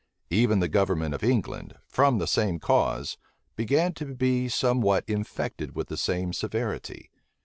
Even the government of England, from the same cause, began to be somewhat infected with the same severity.